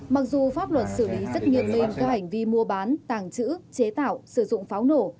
mặc dù pháp luật xử lý rất nghiêm minh do hành vi mua bán tàng trữ chế tạo sử dụng pháo nổ